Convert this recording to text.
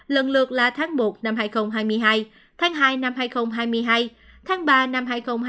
lần lượt là tháng một năm hai nghìn hai mươi hai tháng hai năm hai nghìn hai mươi hai tháng ba năm hai nghìn hai mươi hai tháng bốn năm hai nghìn hai mươi hai